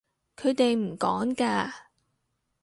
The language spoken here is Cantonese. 佢哋唔趕㗎